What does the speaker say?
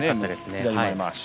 左前まわし。